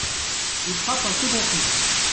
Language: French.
Il frappe un second coup.